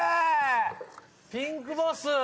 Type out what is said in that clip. ピンクボス！